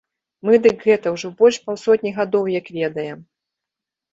Мы дык гэта ўжо больш паўсотні гадоў як ведаем.